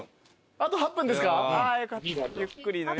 あと８分ですか。